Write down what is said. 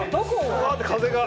ぶわって風が。